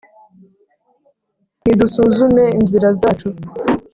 Nidusuzume inzira zacu,